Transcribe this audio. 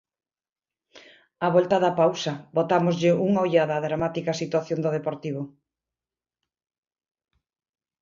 Á volta da pausa botámoslle unha ollada á dramática situación do Deportivo.